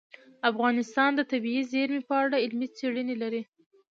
افغانستان د طبیعي زیرمې په اړه علمي څېړنې لري.